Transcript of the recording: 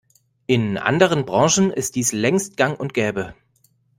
In anderen Branchen ist dies längst gang und gäbe.